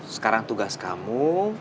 sekarang tugas kamu